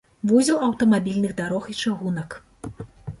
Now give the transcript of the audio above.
Вузел аўтамабільных дарог і чыгунак.